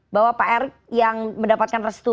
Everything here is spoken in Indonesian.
bahwa pak erick yang mendapatkan restu